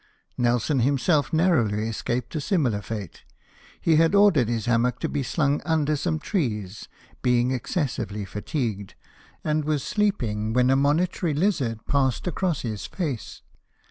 Nelson himself narrowly escaped a similar fate. He had ordered his hammock to be slung under some trees, being excessively fatigued, and was sleeping when a monitory lizard passed across his face.